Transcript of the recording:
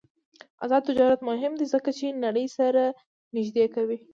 آزاد تجارت مهم دی ځکه چې نړۍ سره نږدې کوي.